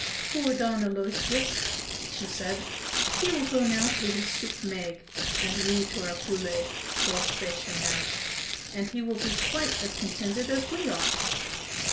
"Poor Don Aloysius!" she said "He will now go to his soup maigre and we to our poulet, sauce bechamel, and he will be quite as contented as we are!"